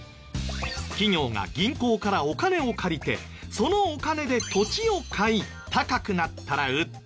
企業が銀行からお金を借りてそのお金で土地を買い高くなったら売って儲ける。